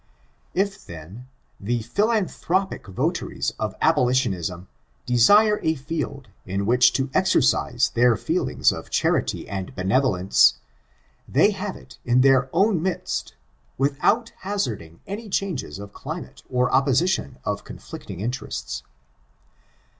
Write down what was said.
If then, the philanthropic (?) votaries of abolitionism desire a field in which to exercise their feelings of charity and benevolence, they have it in their own midst, without hazarding any changes of climate or opposi tion of conflicting interests.